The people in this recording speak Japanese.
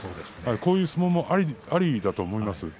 こういう相撲もありだと思います。